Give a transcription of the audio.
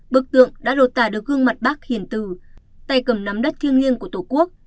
bức tượng đã đột tả được gương mặt bác hiền tử tay cầm nắm đất thiêng liêng của tổ quốc